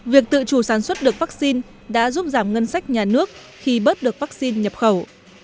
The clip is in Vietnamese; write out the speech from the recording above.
việc tự chủ sản xuất được vaccine đã giúp giảm ngân sách nhà nước khi bớt được vaccine nhập khẩu